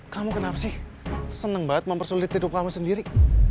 kamu kenapa sih seneng banget mempersulit hidup kamu sendiri